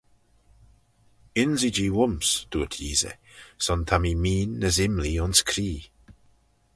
Ynsee-jee voym's, dooyrt Yeesey, son ta mee meein as imlee ayns cree.